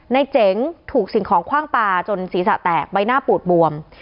เจ๋งถูกสิ่งของคว่างปลาจนศีรษะแตกใบหน้าปูดบวม